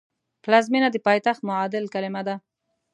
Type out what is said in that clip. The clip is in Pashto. پلازمېنه د پایتخت معادل کلمه ده